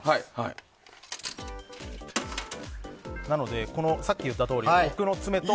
なので、さっき言ったとおり奥の爪と。